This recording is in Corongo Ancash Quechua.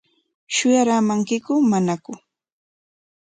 ¿Shuyaraamankiku manaku?